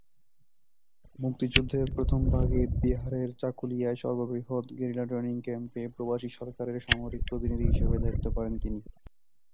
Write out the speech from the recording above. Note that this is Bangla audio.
মুক্তিযুদ্ধের প্রথম ভাগে বিহারের চাকুলিয়ায় সর্ববৃহৎ গেরিলা ট্রেনিং ক্যাম্পে প্রবাসী সরকারের সামরিক প্রতিনিধি হিসেবে দায়িত্ব করেন তিনি।